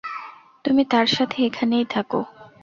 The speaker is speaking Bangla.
তুমি তার সাথে এখানেই থাকো।